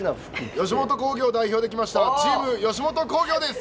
吉本興業代表で来ましたチーム吉本興業です！